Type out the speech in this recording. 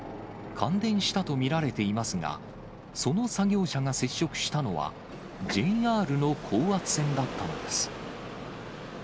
感電したと見られていますが、その作業車が接触したのは、ＪＲの高圧線だったのです。